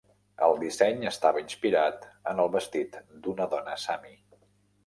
El disseny estava inspirat en el vestit d'una dona sami.